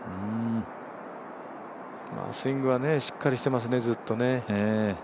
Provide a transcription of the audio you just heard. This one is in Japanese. スイングはしっかりしていますね、ずっとね。